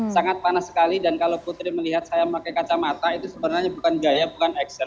sangat panas sekali dan kalau putri melihat saya pakai kacamata itu sebenarnya bukan gaya bukan action